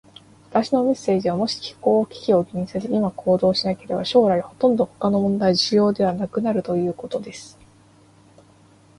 私のメッセージは、もし気候危機を気にせず、今行動しなければ、将来ほとんど他の問題は重要ではなくなるということです。